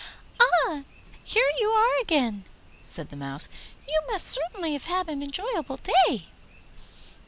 'Ah, here you are again!' said the Mouse; 'you must certainly have had an enjoyable day.